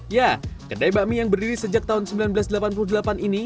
ya kedai bakmi yang berdiri sejak tahun seribu sembilan ratus delapan puluh delapan ini